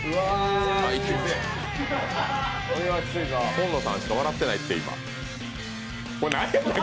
紺野さんしか笑ってないって、今。